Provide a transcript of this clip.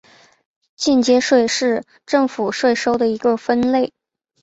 间接税是政府税收的一个分类。